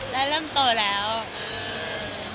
และเริ่มโตแล้ว